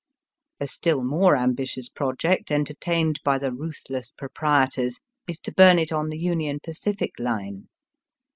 A still more am bitious project entertained by the ruthless proprietors is to burn it on the Union Pacific Line.